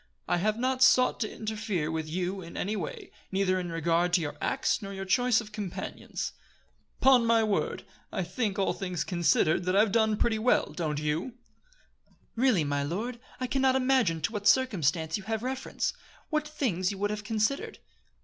I have not sought to interfere with you in any way, neither in regard to your acts nor your choice of companions. 'Pon my word! I think, all things considered, that I've done pretty well, don't you?" "Really, my lord, I can not imagine to what circumstance you have reference what things you would have considered."